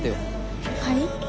はい？